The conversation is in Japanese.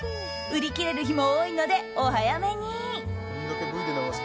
売り切れる日も多いのでお早めに。